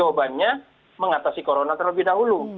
jawabannya mengatasi corona terlebih dahulu